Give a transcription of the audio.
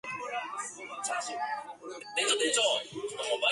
The two ancient communities are linked by the Jubilee Bridge.